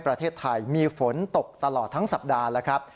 ประเทศไทยมีฝนตกตลอดทั้งสัปดาห์แล้วครับ